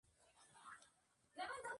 Él actualmente reside en Nueva Jersey.